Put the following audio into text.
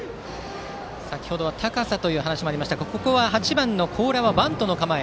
先程は高さという話もありましたがここは８番の高良はバントの構え。